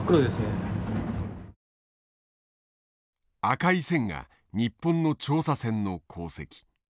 赤い線が日本の調査船の航跡。